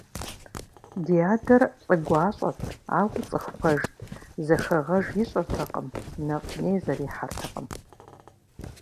Ди адэр лӏы гуащӏэт, ауэ цӏыху пэжт, зэхэгъэж ищӏыртэкъым, нэфӏ-ней зэрихьэртэкъым.